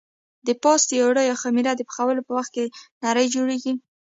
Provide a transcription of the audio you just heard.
د پاستي اوړه یا خمېره د پخولو په وخت کې نرۍ جوړېږي.